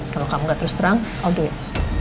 kalau kamu gak terus terang i'll do it